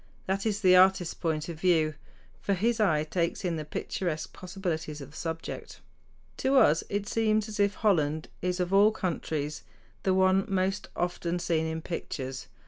That is the artist's point of view; for his eye takes in the picturesque possibilities of the subject. To us it seems as if Holland is of all countries the one most often seen in pictures.